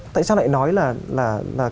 tại sao lại nói là